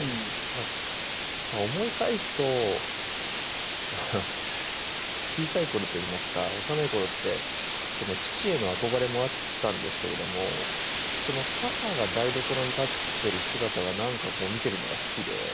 まあ思い返すとハハッ小さい頃といいますか幼い頃って父への憧れもあったんですけれども母が台所に立ってる姿が何かこう見てるのが好きで。